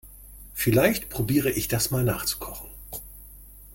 Vielleicht probiere ich das mal nachzukochen.